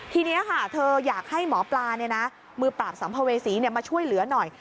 ทีนี้ค่ะเธออยากให้หมอปลามือปราบสัมภเวษีมาช่วยเหลือหน่อย